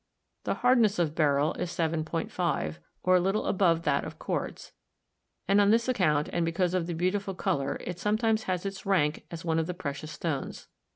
The hardness of beryl is 7.5, or a little above that of quartz, and on this account and because of the beauti ful color it sometimes has its rank as one of the precious stones.